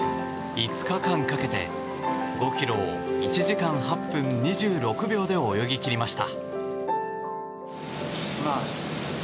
５日間かけて５ｋｍを１時間８分２６秒で泳ぎ切りました。